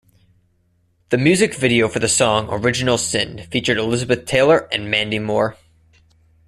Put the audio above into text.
The music video for the song "Original Sin" featured Elizabeth Taylor and Mandy Moore.